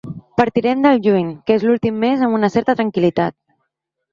Partirem del juny, que és l’últim mes amb una certa tranquil·litat.